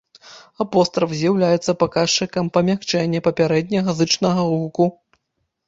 Апостраф з'яўляецца паказчыкам памякчэння папярэдняга зычнага гуку.